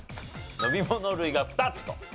飲み物類が２つと。